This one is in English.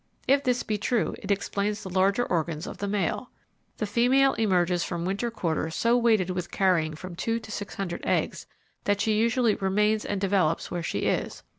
If this be true, it explains the larger organs ofthe male. The female emerges from winter quarters so weighted with carrying from two to six hundred eggs, that she usually remains and develops where she is.